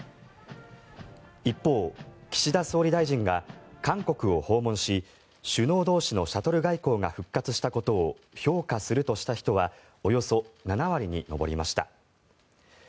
一方、岸田総理大臣が韓国を訪問し首脳同士のシャトル外交が復活したことを評価するとした人はおよそ７割に上りました。